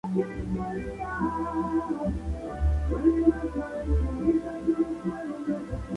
En una estancia misteriosa se elabora una droga que hace resucitar.